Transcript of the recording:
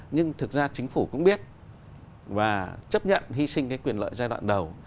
nhưng thực ra chính phủ cũng biết và chấp nhận hy sinh cái quyền lợi giai đoạn đầu